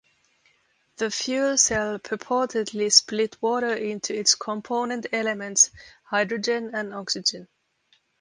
The fuel cell purportedly split water into its component elements, hydrogen and oxygen.